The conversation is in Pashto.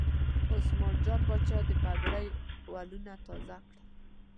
عثمان جان پاچا د پګړۍ ولونه تازه کړل.